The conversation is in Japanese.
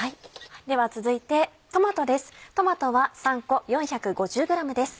では続いてトマトです。